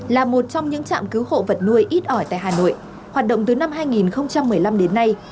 là một trong những trạm cứu hộ vật nuôi ít ỏi tại hà nội hoạt động từ năm hai nghìn một mươi năm đến nay